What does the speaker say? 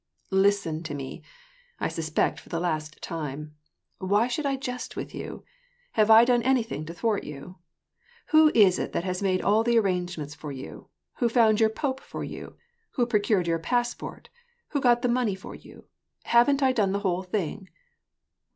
" Listen to me, I speak for the last time. Why should T jest with you ? Have I done anything to thwart you ? Who is it that has made all the arrangements for you, who found your pope for you, who procured your passport, who got the money for you ? Haven^t I done the whole thing